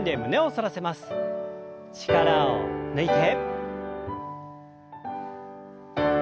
力を抜いて。